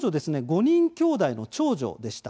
５人きょうだいの長女でした。